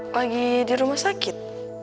lagi di rumah sakit